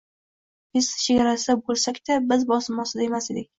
Biznes chegarasida boʻlsak-da, biz bosim ostida emas edik.